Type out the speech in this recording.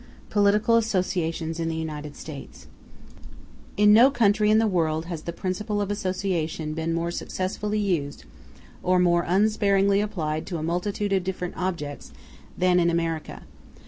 Political Associations In The United States In no country in the world has the principle of association been more successfully used, or more unsparingly applied to a multitude of different objects, than in America.